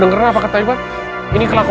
kamu malah ketakuin aku